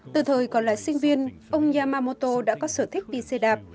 từ thời còn lại sinh viên ông yamamoto đã có sở thích đi xe đạp